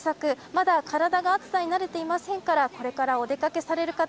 まだ体が暑さに慣れていませんからこれからお出掛けされる方